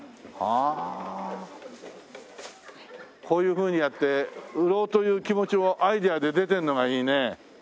こういうふうにやって売ろうという気持ちをアイデアで出てんのがいいね。